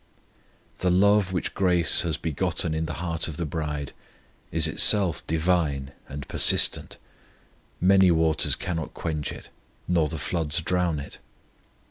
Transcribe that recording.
The love which grace has begotten in the heart of the bride is itself divine and persistent; many waters cannot quench it, nor the floods drown it.